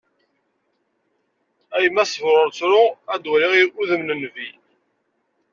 A yemma sber ur ttru, ad waliɣ udem n Nnbi.